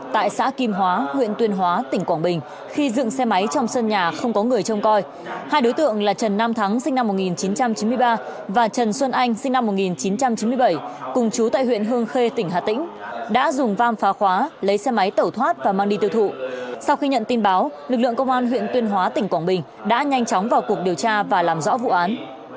tại xã kim hóa huyện tuyên hóa tỉnh quảng bình khi dựng xe máy trong sân nhà không có người trông coi hai đối tượng là trần nam thắng sinh năm một nghìn chín trăm chín mươi ba và trần xuân anh sinh năm một nghìn chín trăm chín mươi bảy cùng chú tại huyện hương khê tỉnh hà tĩnh đã dùng vam phá khóa lấy xe máy tẩu thoát và mang đi tiêu thụ sau khi nhận tin báo lực lượng công an huyện tuyên hóa tỉnh quảng bình đã nhanh chóng vào cuộc điều tra và làm rõ vụ án